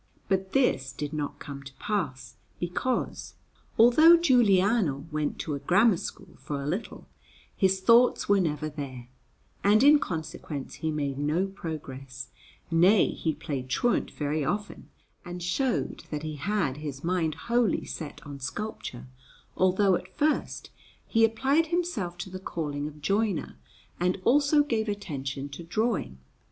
But this did not come to pass, because, although Giuliano went to a grammar school for a little, his thoughts were never there, and in consequence he made no progress; nay, he played truant very often, and showed that he had his mind wholly set on sculpture, although at first he applied himself to the calling of joiner and also gave attention to drawing.